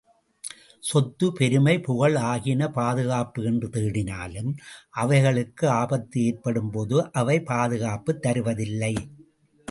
சொத்து, பெருமை, புகழ் ஆகியன பாதுகாப்பு என்று தேடினாலும், அவைகளுக்கு ஆபத்து ஏற்படும்போது அவை பாதுகாப்பு தருவதில்லை.